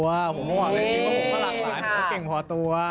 ผมก็หลักหลายผมก็เก่งพอตัว